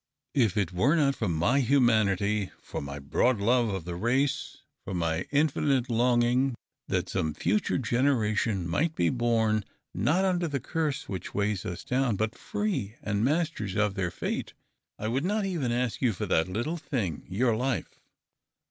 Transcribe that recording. If it were not for my humanity, for my broad love of the race, for my infinite longing that some future generation might be born, not under the curse which weighs us down, but free and masters of their fate — I would not even ask you for that little thing, your life."